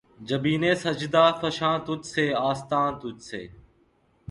جبینِ سجدہ فشاں تجھ سے‘ آستاں تجھ سے